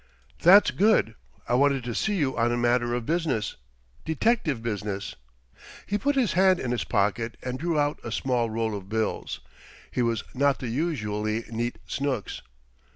"That's good. I wanted to see you on a matter of business detective business." He put his hand in his pocket and drew out a small roll of bills. He was not the usually neat Snooks.